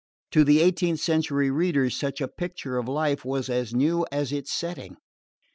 To eighteenth century readers such a picture of life was as new as its setting.